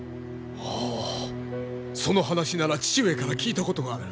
ああその話なら父上から聞いたことがある。